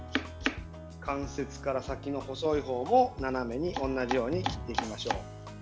関節から先の細いほうも斜めに同じように切っていきましょう。